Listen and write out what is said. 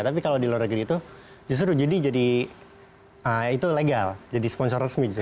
tapi kalau di luar negeri itu justru judi jadi itu legal jadi sponsor resmi justru